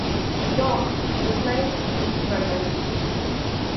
York resigned in protest.